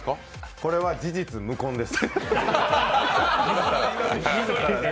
これは事実無根です。